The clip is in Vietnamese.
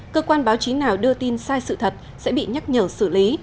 cơ quan báo chí nào đưa tin sai sự thật sẽ bị nhắc nhở xử lý